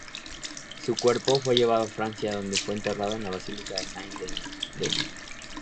Su cuerpo fue llevado a Francia, donde fue enterrado en la basílica de Saint-Denis.